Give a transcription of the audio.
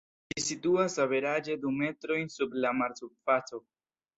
Ĝi situas averaĝe du metrojn sub la mar-surfaco.